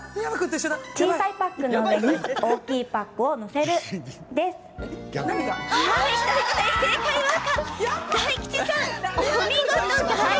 小さいパックの上に大きいパックを載せるです。ということで正解は赤。